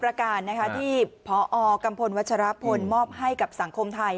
ประการที่พอกัมพลวัชรพลมอบให้กับสังคมไทย